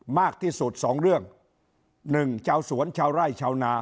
มากที่สุดสองเรื่องหนึ่งชาวสวนชาวไร่ชาวนา